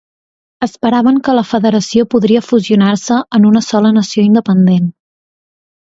Esperaven que la Federació podria fusionar-se en una sola nació independent.